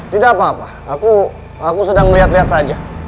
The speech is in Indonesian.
tidak apa apa aku sedang melihat lihat saja